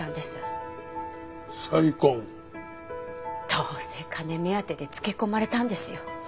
どうせ金目当てでつけ込まれたんですよ。